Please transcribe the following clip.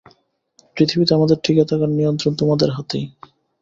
পৃথিবীতে আমাদের টিকে থাকার নিয়ন্ত্রণ তোমাদের হাতেই।